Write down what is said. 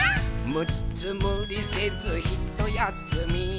「むっつむりせずひとやすみ」